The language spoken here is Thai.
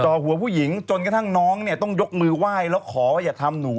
หัวผู้หญิงจนกระทั่งน้องเนี่ยต้องยกมือไหว้แล้วขอว่าอย่าทำหนู